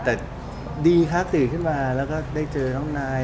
แต่ดีค่ะตื่นขึ้นมาได้เจอน้องนาย